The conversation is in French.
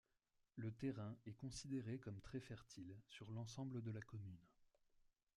Le terrain est considéré comme très fertile sur l'ensemble de la commune.